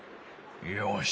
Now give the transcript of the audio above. よし。